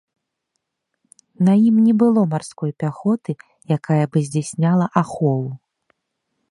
На ім не было марской пяхоты, якая бы здзяйсняла ахову.